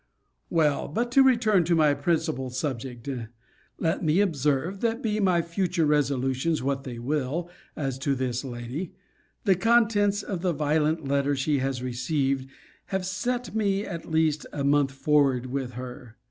Well, but to return to my principal subject; let me observe, that, be my future resolutions what they will, as to this lady, the contents of the violent letter she has received have set me at least a month forward with her.